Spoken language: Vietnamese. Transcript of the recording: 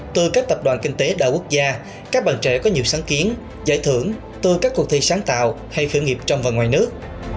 từ các tập đoàn kinh tế đảo quốc gia các bạn trẻ có nhiều sáng kiến giải thưởng từ các cuộc thi sáng tạo hay khởi nghiệp trong và ngoài nước